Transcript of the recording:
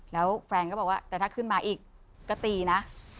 แล้วแฟนก็บอกว่าแต่ถ้าขึ้นมาอีกก็ตีนะ